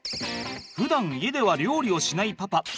ふだん家では料理をしないパパ。